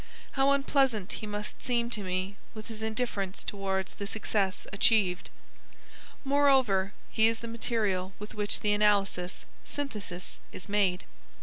How unpleasant he must seem to me with his indifference towards the success achieved! Moreover, he is the material with which the analysis (synthesis) is made.